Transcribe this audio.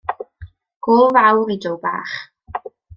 Gôl fawr i Joe bach.